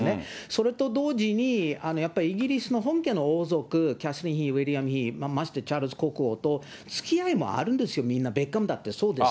それと同時に、やっぱりイギリスの本家の王族、キャサリン妃、ましてチャールズ国王とつきあいもあるんですよ、みんなベッカムだってそうです。